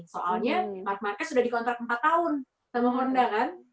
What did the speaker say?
soalnya mark marquez sudah dikontrak empat tahun sama honda kan